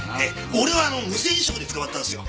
俺はあの無銭飲食で捕まったんすよ。